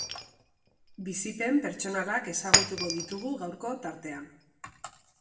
Bizipen pertsonalak ezagutuko ditugu gaurko tartean.